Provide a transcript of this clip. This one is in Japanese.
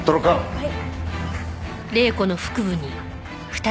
はい。